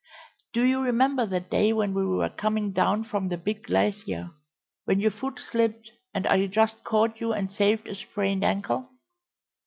Do you remember that day when we were coming down from the big glacier when your foot slipped and I just caught you and saved a sprained ankle?"